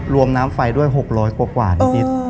รวมน้ำไฟด้วย๖๐๐กว่านิด